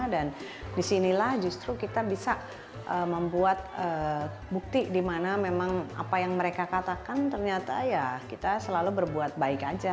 dan disinilah justru kita bisa membuat bukti di mana memang apa yang mereka katakan ternyata ya kita selalu berbuat baik aja